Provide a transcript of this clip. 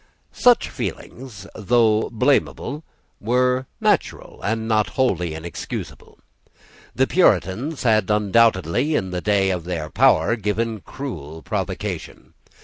Such feelings, though blamable, were natural, and not wholly inexcusable. The Puritans had undoubtedly, in the day of their power, given cruel provocation.